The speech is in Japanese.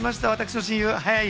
私の親友。